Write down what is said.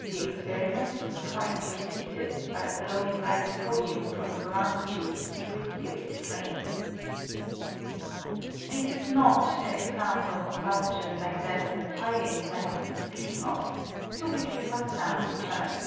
[The ex periment was twice repeated by blowing lyco 1 J w I SOOT FEOM A LUMINOUS FLAME. 51 podium from a glass tube through a spirit flame.] This is not an example of combustion like that of the filings I have been speaking of, to which we must now return.